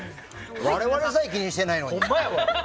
我々さえ、気にしてないのに。